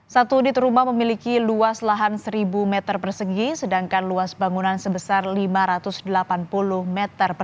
satu unit rumah memiliki luas lahan satu m dua sedangkan luas bangunan sebesar lima ratus delapan puluh m dua